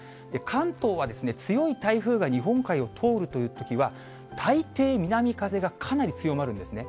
関東は強い台風が日本海を通るというときは、大抵、南風がかなり強まるんですね。